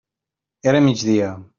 Era migdia.